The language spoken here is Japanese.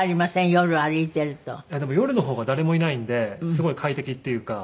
でも夜の方が誰もいないんですごい快適っていうか。